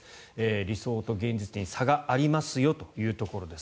理想と現実に差がありますよというところです。